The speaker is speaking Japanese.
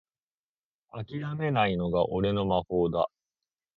あきらめないのが俺の魔法だ